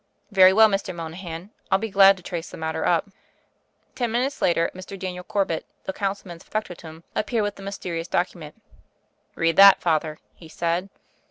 "Very well, Mr. Monahan. I'll be glad to trace the matter up." Ten minutes later Mr. Daniel Corbett, the councilman's factotum, appeared with the mys terious document. "Read that, Father," he said.